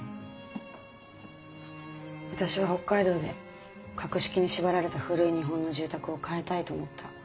私は北海道で格式に縛られた古い日本の住宅を変えたいと思った。